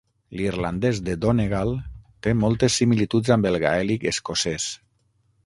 L'irlandès de Donegal té moltes similituds amb el gaèlic escocès.